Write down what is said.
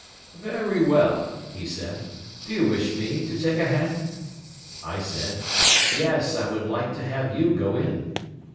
"Very well," he said; "do you wish me to take a hand?" I said, "Yes, I would like to have you go in."